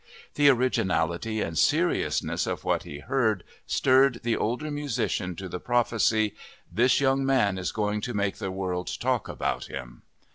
The originality and seriousness of what he heard stirred the older musician to the prophecy: "This young man is going to make the world talk about him!"